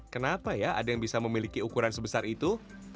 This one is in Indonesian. kenapa ya ada yang bisa memiliki ukuran sebesar itu